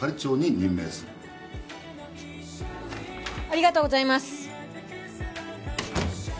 ありがとうございます。